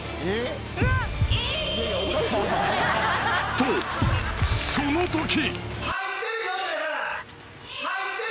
［とそのとき］